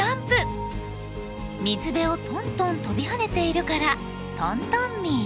水辺をトントン跳びはねているからトントンミー。